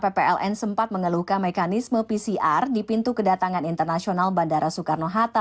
ppln sempat mengeluhkan mekanisme pcr di pintu kedatangan internasional bandara soekarno hatta